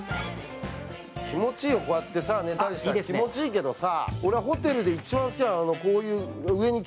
気持ちいいよ、こうやって寝たりしたら気持ちいいけどさ。